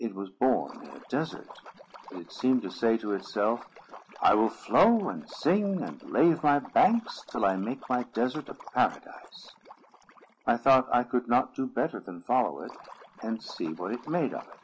It was born in a desert; but it seemed to say to itself, "I will flow, and sing, and lave my banks, till I make my desert a paradise." I thought I could not do better than follow it, and see what it made of it.